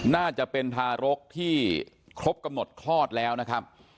น่าจะเป็นทารกที่ครบกำหนดคลอดแล้วนะครับ